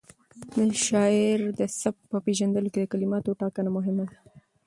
د شاعر د سبک په پېژندلو کې د کلماتو ټاکنه مهمه ده.